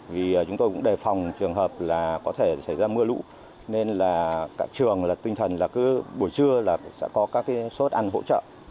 vì chúng tôi cũng đề phòng trường hợp có thể xảy ra mưa lũ nên các trường tinh thần bữa trưa sẽ có các suất ăn hỗ trợ